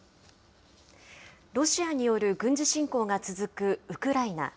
ロシアによる軍事侵攻が続くウクライナ。